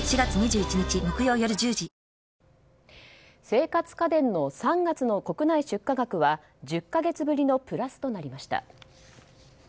生活家電の３月の国内出荷額は１０か月ぶりのプラスとなりました。